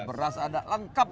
biasanya kalau di pasar pak